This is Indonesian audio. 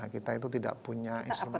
kita itu tidak punya instrumen